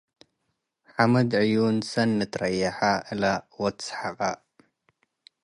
ሐመድ ዕዩን ሰኒ ትረይሐ እለ ወትሰሕቀ።